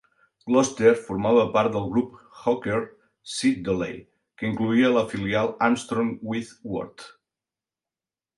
Gloster formava part del grup de Hawker Siddeley que incloïa la filial Armstrong Whitworth.